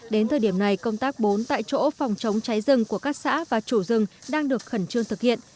đến thời điểm này công tác bốn tại chỗ phòng chống cháy rừng của các xã và chủ rừng đang được khẩn trương thực hiện